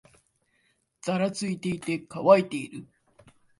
ざらついていて、乾いている